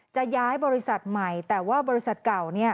จะย้ายบริษัทใหม่แต่ว่าบริษัทเก่า